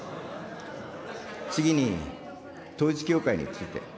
次に、統一教会について。